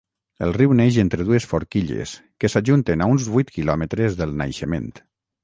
El riu neix entre dues forquilles, que s'ajunten a uns vuit quilòmetres del naixement.